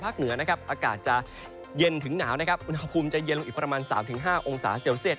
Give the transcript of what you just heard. เหนือนะครับอากาศจะเย็นถึงหนาวนะครับอุณหภูมิจะเย็นลงอีกประมาณ๓๕องศาเซลเซียต